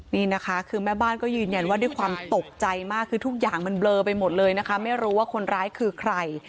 นี่นะคะคือแม่บ้านก็ยืนยันว่าด้วยความตกใจมากคือทุกอย่างมันเบลอไปหมดเลยนะคะไม่รู้ว่าคนร้ายคือใคร